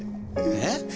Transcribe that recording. えっ？